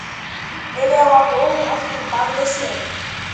Ele é o ator mais bem pago este ano.